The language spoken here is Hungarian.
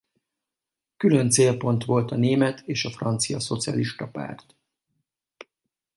Külön célpont volt a német és a francia szocialista párt.